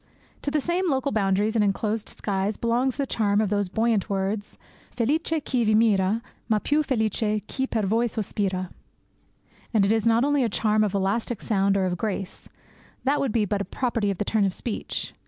To the same local boundaries and enclosed skies belongs the charm of those buoyant words: Felice chi vi mira, Ma piu felice chi per voi sospira! And it is not only a charm of elastic sound or of grace; that would be but a property of the turn of speech.